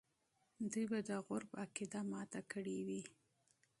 دوی به د غرب عقیده ماته کړې وي.